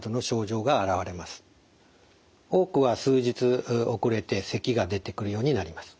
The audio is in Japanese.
多くは数日遅れてせきが出てくるようになります。